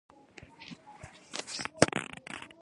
څوک چې ځان پیژني دنیا پرې نه خطا کېږي